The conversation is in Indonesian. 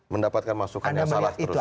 mendapatkan masukan yang salah terus